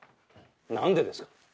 何でですか。